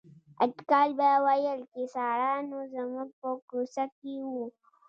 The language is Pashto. اټکل به ویل چې ساړه نو زموږ په کوڅه کې وو.